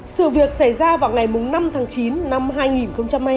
sự việc xảy ra vào ngày năm tháng chín năm hai nghìn hai mươi hai